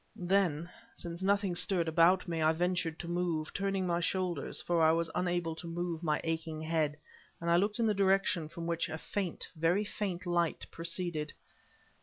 Then, since nothing stirred about me, I ventured to move, turning my shoulders, for I was unable to move my aching head; and I looked in the direction from which a faint, very faint, light proceeded.